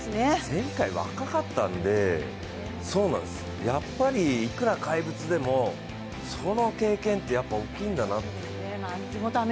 前回、若かったんで、やっぱりいくら怪物でもその経験ってやっぱり大きいんだなって。